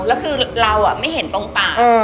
แล้วคือเราไม่เห็นตรงปาก